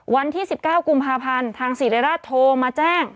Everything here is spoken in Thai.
วันที่๑๙กุมภาพันธ์ทางศิริราชโทรมาแจ้ง